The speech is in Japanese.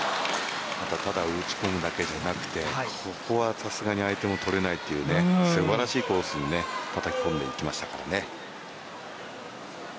ただ打ち込むだけじゃなくてここはさすがに相手もとれないというすばらしいコースにたたき込んでいきましたね。